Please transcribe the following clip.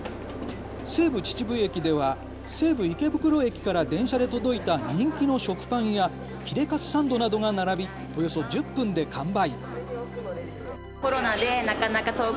西武秩父駅では西武池袋駅から電車で届いた人気の食パンやヒレカツサンドなどが並び、およそ１０分で完売。